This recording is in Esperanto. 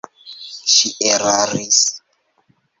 Ŝi eraris.